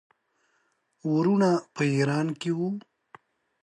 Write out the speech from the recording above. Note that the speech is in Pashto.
وروڼه په ایران کې وه.